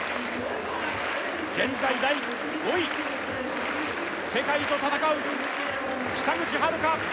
現在第５位世界と戦う北口榛花